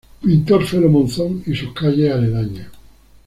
Pintor Felo Monzón y sus calles aledañas.